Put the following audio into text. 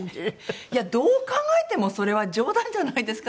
いやどう考えてもそれは冗談じゃないですか？